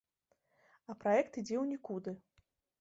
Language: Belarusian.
А праект ідзе ў нікуды.